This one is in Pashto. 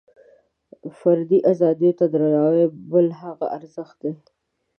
فردي ازادیو ته درناوۍ بل هغه ارزښت دی.